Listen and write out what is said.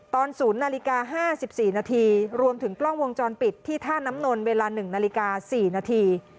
๐นาฬิกา๕๔นาทีรวมถึงกล้องวงจรปิดที่ท่าน้ำนนเวลา๑นาฬิกา๔นาที